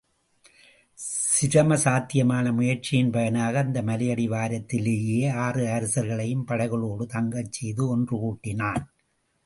சிரம சாத்தியமான முயற்சியின் பயனாக அந்த மலையடி வாரத்திலேயே ஆறு அரசர்களையும் படைகளோடு தங்கச் செய்து ஒன்று கூட்டினான்.